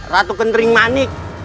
ratu kentering manik